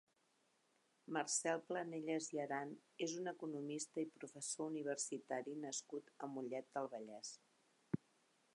Marcel Planellas i Aran és un economista i professor universitari nascut a Mollet del Vallès.